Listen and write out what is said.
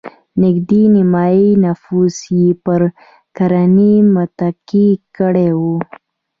نږدې نیمايي نفوس یې پر کرنې متکي کړی و.